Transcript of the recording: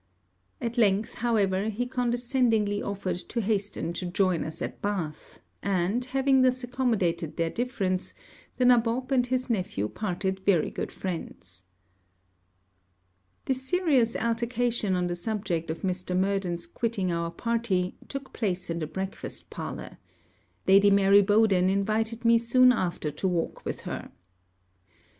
At length, however, he condescendingly offered to hasten to join us at Bath; and, having thus accommodated their difference, the nabob and his nephew parted very good friends. This serious altercation on the subject of Mr. Murden's quitting our party, took place in the breakfast parlour. Lady Mary Bowden invited me soon after to walk with her.